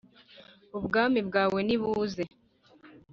Ubwami bwawe nibuze